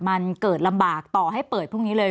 มันเกิดลำบากต่อให้เปิดพรุ่งนี้เลย